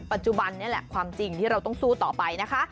ปัจจุบันนี่แหละความจริงที่เราต้องสู้ต่อไปนะคะ